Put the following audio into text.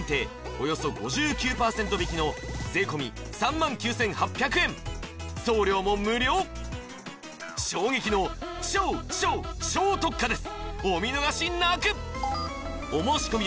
およそ５９％引きの税込３万９８００円送料も無料衝撃の超超超特価です